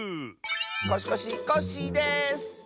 コシコシコッシーです！